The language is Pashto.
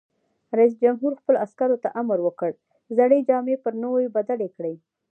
رئیس جمهور خپلو عسکرو ته امر وکړ؛ زړې جامې پر نوو بدلې کړئ!